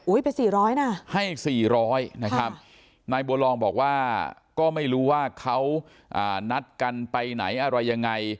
ไป๔๐๐นะให้๔๐๐นะครับนายบัวลองบอกว่าก็ไม่รู้ว่าเขานัดกันไปไหนอะไรยังไง